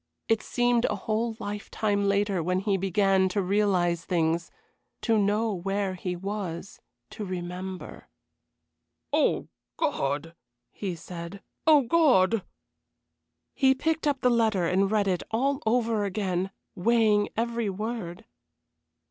It seemed a whole lifetime later when he began to realize things to know where he was to remember. "Oh, God!" he said. "Oh, God!" He picked up the letter and read it all over again, weighing every word.